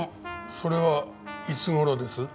それはいつ頃です？